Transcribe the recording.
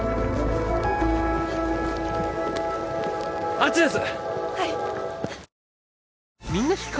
あっちです！